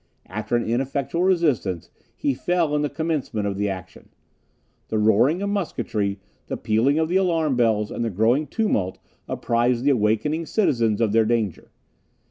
After an ineffectual resistance he fell in the commencement of the action. The roaring of musketry, the pealing of the alarm bells, and the growing tumult apprised the awakening citizens of their danger.